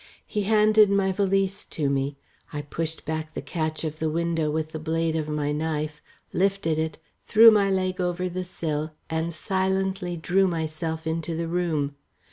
He handed my valise to me; I pushed back the catch of the window with the blade of my knife, lifted it, threw my leg over the sill and silently drew myself into the room.